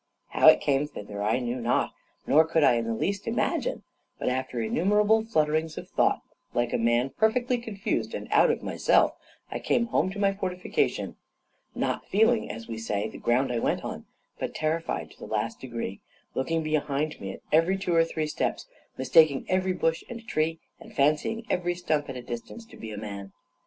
How it came thither I knew not, nor could I in the least imagine; but after innumerable fluttering thoughts, like a man perfectly confused and out of myself, I came home to my fortification, not feeling, as we say, the ground I went on, but terrified to the last degree, looking behind me at every two or three steps, mistaking every bush and tree, and fancying every stump at a distance to be a man.